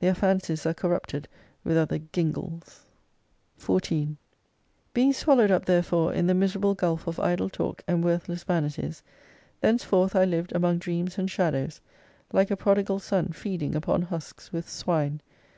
Their fancies are corrupted with other gingles. 14 Being swallowed up therefore in the miserable gulf of idle talk and worthless vanities, thenceforth I lived among dreams and shadows, like a prodigal son feeding upon husks with swine.